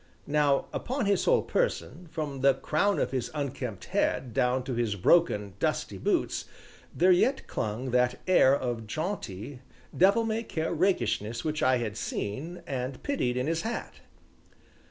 Now, upon his whole person, from the crown of his unkempt head down to his broken, dusty boots, there yet clung that air of jaunty, devil may care rakishness which I had seen, and pitied in his hat.